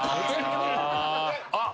あっ。